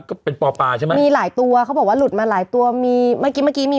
ก็เป็นปอปลาใช่ไหมมีหลายตัวเขาบอกว่าหลุดมาหลายตัวมีเมื่อกี้เมื่อกี้มี